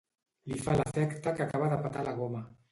Li fa l'efecte que acaba de petar la goma.